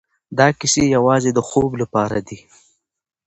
دا کيسې يوازې د خوب لپاره دي.